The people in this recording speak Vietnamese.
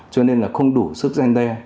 cho nên là không đủ sức danh đe